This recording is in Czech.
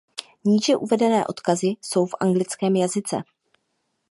Níže uvedené odkazy jsou v anglickém jazyce.